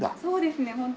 そうですね。